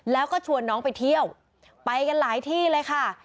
แล้วก็ชวนน้องไปเที่ยวไปกันหลายที่เลยค่ะ